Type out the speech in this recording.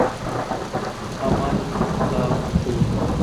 عمل ستاسو تول دی.